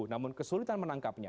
namun kesulitan menangkapnya